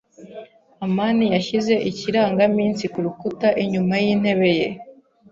amani yashyize ikirangaminsi kurukuta inyuma yintebe ye.